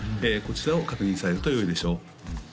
こちらを確認されるとよいでしょう